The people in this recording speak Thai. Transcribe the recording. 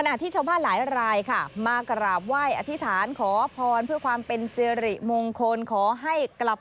นั่นแหละเรียกว่าฝันดีฝันเห็นเลขเด็ดนะครับ